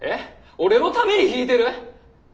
俺のために弾いてる？